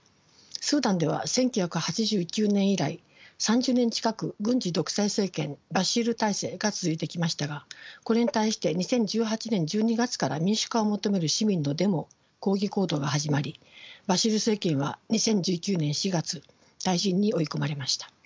スーダンでは１９８９年以来３０年近く軍事独裁政権バシール体制が続いてきましたがこれに対して２０１８年１２月から民主化を求める市民のデモ抗議行動が始まりバシール政権は２０１９年４月退陣に追い込まれました。